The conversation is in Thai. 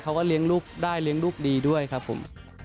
เขาก็เลี้ยงลูกได้เลี้ยงลูกดีด้วยครับผม